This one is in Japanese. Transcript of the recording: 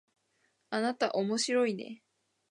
あなたおもしろいね